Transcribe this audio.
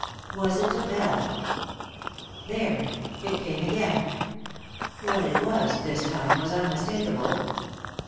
Was it a bell ? There 1 — it came again I What it was, this time, was unmistakable.